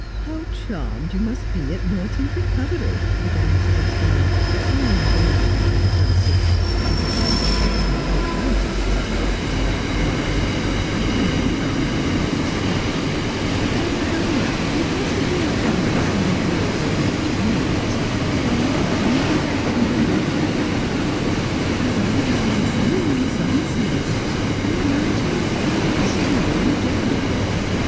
' How charmed you must be at Morton's recovery !' began Mrs. Aspinall, smiling benevolently at Dulcie ; but a sharp kick from Lady Frances stopped this gush of sympathy, and turned the current of the lady's speech; 'and how delightful it must have been for you to see the dear romantic Moors, with their mahogany complexions and their white drapery, and the blue, blue southern sea., and the mountains, and the scenery in a general way